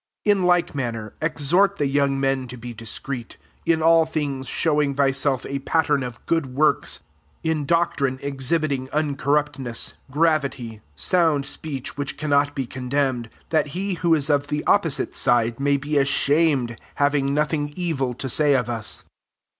6 In like manner, exhort the young men to be discreet : 7 in all thing^e showing thyself a pattern of good works ; in doc trine exhibiting uncorruptness, gravity, 8 sound speech which cannot be condemned ; that he who is of the opposite dde may be ashamed, having nothing evil to say of us.